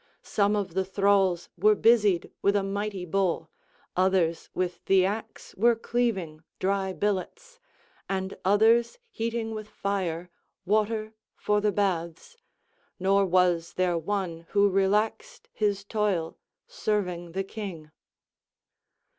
Some of the thralls were busied with a mighty bull, others with the axe were cleaving dry billets, and others heating with fire water for the baths; nor was there one who relaxed his toil, serving the king.